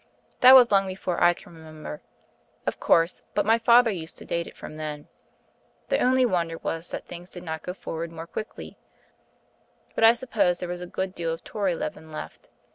That was long before I can remember, of course, but my father used to date it from then. The only wonder was that things did not go forward more quickly; but I suppose there was a good deal of Tory leaven left.